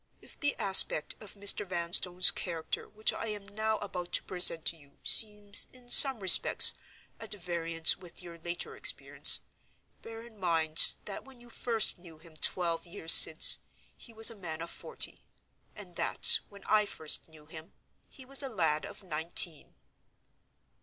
"If the aspect of Mr. Vanstone's character which I am now about to present to you seems in some respects at variance with your later experience, bear in mind that, when you first knew him twelve years since, he was a man of forty; and that, when I first knew him, he was a lad of nineteen."